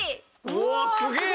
うわあすげえ！